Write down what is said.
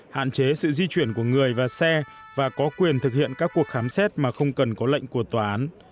hạn chế sự di chuyển của người và xe và có quyền thực hiện các cuộc khám xét mà không cần có lệnh của tòa án